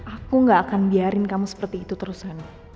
aku gak akan biarin kamu seperti itu terus renu